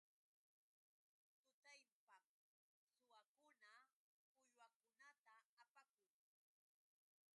Tutallpam suwakuna uywakunata apakun.